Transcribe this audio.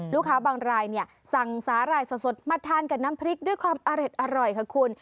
บางรายเนี่ยสั่งสาหร่ายสดมาทานกับน้ำพริกด้วยความอร่อยค่ะคุณ